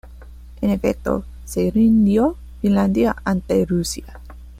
En efecto, se rindió Finlandia ante Rusia.